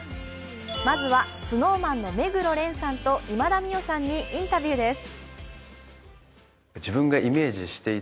まずはＳｎｏｗＭａｎの目黒蓮さんと今田美桜さんにインタビューです。